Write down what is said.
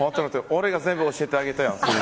俺が全部教えてあげたやん！